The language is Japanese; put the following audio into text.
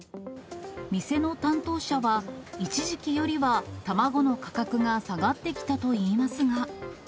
店の担当者は、一時期よりは卵の価格が下がってきたといいますが。